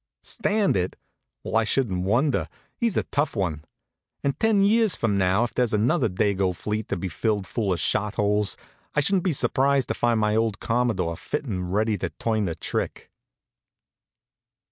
Stand it? Well, I shouldn't wonder. He's a tough one. And ten years from now, if there's another Dago fleet to be filled full of shot holes, I shouldn't be surprised to find my old Commodore fit and ready to turn the trick.